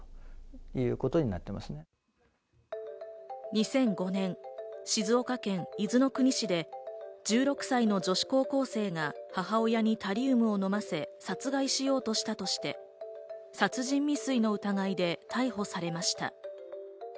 ２００５年、静岡県伊豆の国市で、１６歳の女子高校生が母親にタリウムを飲ませ、殺害しようとしたとして、殺人未遂の疑いで逮捕されました。